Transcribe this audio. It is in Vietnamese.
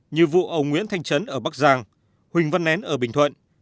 như vụ ông nguyễn thanh trấn ở bắc giang huỳnh văn nén ở bình thuận